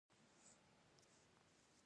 مومن خان یو ډېر مهربانه او وسیله ناکه سړی و.